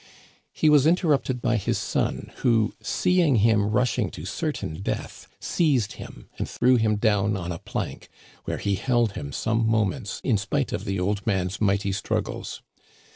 He was interrupted by his son, who, seeing him rush ing to certain death, seized him and threw him down on a plank, where he held him some moments in spite of the old man's mighty struggles.